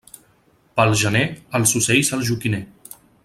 Pel gener, els ocells al joquiner.